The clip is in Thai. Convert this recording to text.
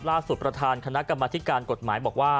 ประธานคณะกรรมธิการกฎหมายบอกว่า